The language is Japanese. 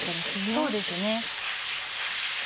そうですね。